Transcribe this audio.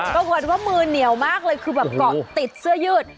ต้องกดว่ามือเหนียวมากเลยคือแบบกอดติดเสื้อยืด